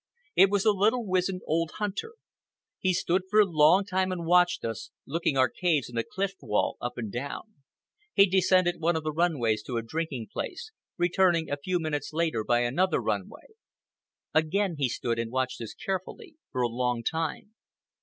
It was the little wizened old hunter. He stood for a long time and watched us, looking our caves and the cliff wall up and down. He descended one of the run ways to a drinking place, returning a few minutes later by another run way. Again he stood and watched us carefully, for a long time.